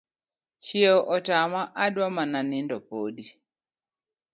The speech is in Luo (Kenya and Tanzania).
Chieo otama adwa mana nindo podi